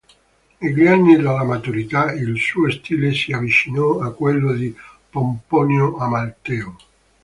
Negli anni della maturità il suo stile si avvicinò a quello di Pomponio Amalteo.